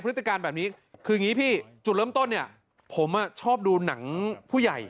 ฤติการแบบนี้คืออย่างนี้พี่จุดเริ่มต้นเนี่ยผมชอบดูหนังผู้ใหญ่